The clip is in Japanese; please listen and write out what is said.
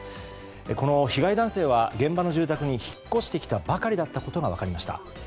この被害男性は現場の住宅に引っ越してきたばかりだったことが分かりました。